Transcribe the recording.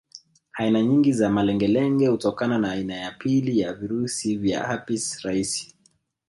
Aina nyingi za malengelenge hutokana na aina ya pili ya virusi vya herpes rahisi